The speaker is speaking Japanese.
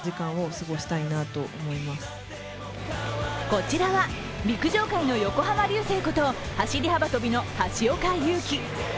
こちらは陸上界の横浜流星こと走り幅跳びの橋岡優輝。